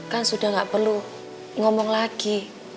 kan sudah tidak perlu ngomong lagi